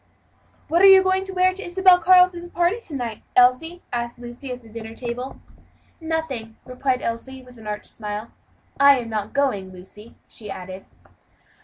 "What are you going to wear to Isabel Carleton's party, to night, Elsie?" asked Lucy, at the dinner table. "Nothing," replied Elsie, with an arch smile, "I am not going, Lucy," she added.